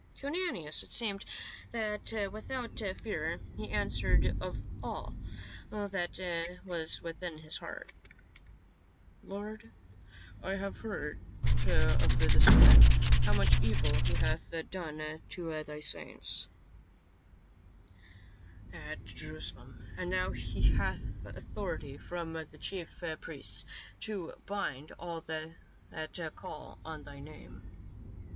To Ananias it seemed that without fear he answered of all that was within his heart, " Lord, I have heard of this man, how much evil he hath done to thy saints 22 PA UL. at Jerusalem, and now he hath authority from the chief priests to bind all that call on thy name."